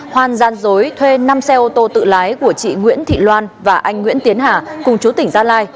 hoan gian dối thuê năm xe ô tô tự lái của chị nguyễn thị loan và anh nguyễn tiến hà cùng chú tỉnh gia lai